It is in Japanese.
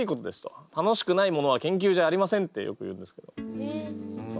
楽しくないものは研究じゃありませんってよく言うんですけどそう。